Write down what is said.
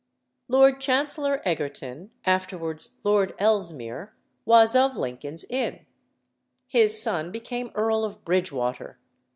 Lord Chancellor Egerton, afterwards Lord Ellesmere, was of Lincoln's Inn. His son became Earl of Bridgewater.